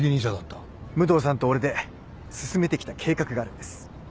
武藤さんと俺で進めてきた計画があるんです。